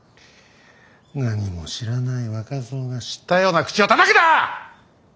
何も知らない若造が知ったような口をたたくな！